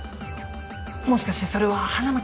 もしかしてそれは花巻。